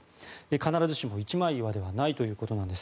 必ずしも一枚岩ではないということなんです。